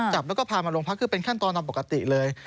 จับแล้วก็พามาโรงพักคือเป็นขั้นตอนตามปกติเลย